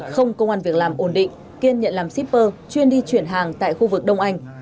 không công an việc làm ổn định kiên nhận làm shipper chuyên đi chuyển hàng tại khu vực đông anh